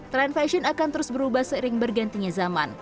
tren fashion akan terus berubah seiring bergantinya zaman